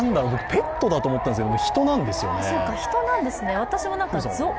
ペットだと思ったんですけど人なんですよね。